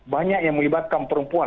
banyak yang melibatkan perempuan